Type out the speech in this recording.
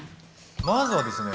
まずはですね